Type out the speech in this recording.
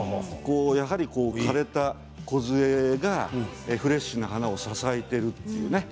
やはり枯れたこずえがフレッシュな花を支えているというね。